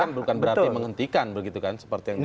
kan bukan berarti menghentikan begitu kan seperti yang